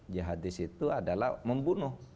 jihadis itu adalah membunuh